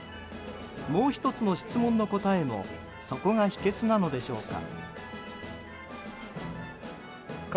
もう１つの質問の答えもそこが秘訣なのでしょうか。